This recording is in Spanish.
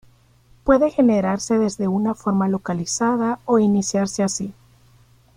Puede generarse desde una forma localizada o iniciarse así.